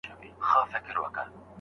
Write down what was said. پلان جوړول د بریا لپاره لومړی ګام دی.